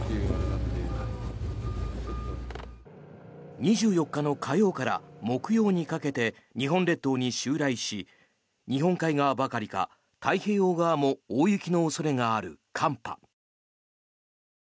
２４日の火曜から木曜にかけて日本列島に襲来し日本海側ばかりか太平洋側も大雪の恐れがある寒波。